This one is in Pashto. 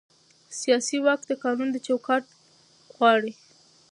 سیاسي واک د قانون چوکاټ غواړي